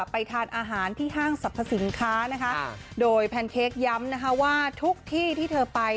ไปทานอาหารที่ห้างสรรพสินค้านะคะโดยแพนเค้กย้ำนะคะว่าทุกที่ที่เธอไป